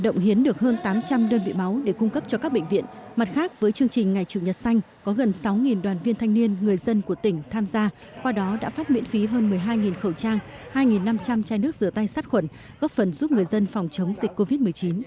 tháng thanh niên năm hai nghìn hai mươi trong thời điểm dịch bệnh viện mặt khác với chương trình ngày chủ nhật xanh có gần sáu đoàn viên thanh niên người dân của tỉnh tham gia qua đó đã phát miễn phí hơn một mươi hai khẩu trang hai năm trăm linh chai nước rửa tay sát khuẩn góp phần giúp người dân phòng chống dịch covid một mươi chín